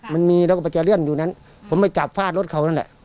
มันมีแล้วก็มันจะเลื่อนอยู่นั้นผมไปจับฟาดรถเขานั่นแหละ